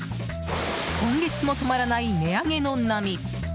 今月も止まらない値上げの波。